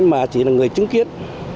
mà chỉ là người chứng kiến